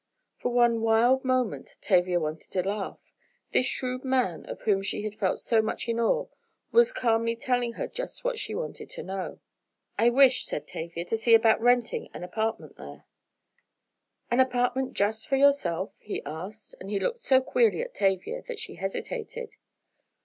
For one wild moment Tavia wanted to laugh. This shrewd man, of whom she had felt so much in awe, was calmly telling her just what she wanted to know! "I wish," said Tavia, "to see about renting an apartment there." "An apartment just for yourself?" he asked, and he looked so queerly at Tavia that she hesitated.